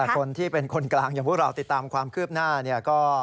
คนที่เป็นคนกลางอย่างพวกเราติดตามความคืบหน้าเนี่ยก็